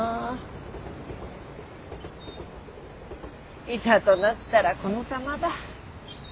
いざとなったらこのざまだ。